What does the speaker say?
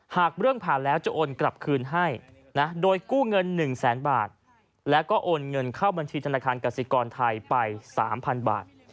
หากเรื่องผ่านแล้วจะโอนกลับคืนให้นะโดยกู้เงิน๑แสนบาทแล้วก็โอนเงินเข้าบัญชีธนาคารกสิกรไทยไป๓๐๐๐บาท